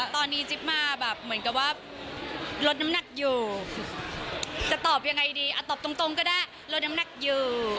ตอนนี้จิ๊บมาแบบเหมือนกับว่าลดน้ำหนักอยู่จะตอบยังไงดีอ่ะตอบตรงก็ได้ลดน้ำหนักอยู่